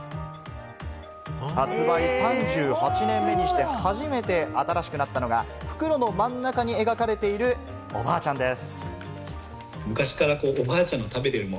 発売３８年目にして初めて新しくなったのが袋の真ん中に描かれている、おばあちゃんです。